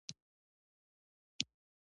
د معدني اوبو فابریکې څومره دي؟